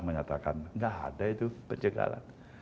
menyatakan nggak ada itu pencegahan